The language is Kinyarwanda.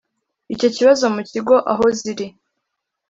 icyo kibazo mu kigo aho ziri